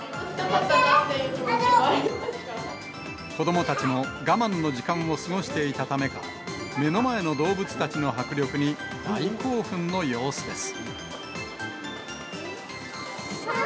子どもたちも我慢の時間を過ごしていたためか、目の前の動物たちの迫力に大興奮の様子です。